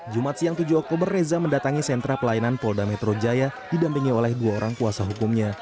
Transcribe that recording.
jumat siang tujuh oktober reza mendatangi sentra pelayanan polda metro jaya didampingi oleh dua orang kuasa hukumnya